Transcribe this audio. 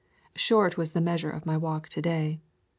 _ Short was the measure of my walk to day.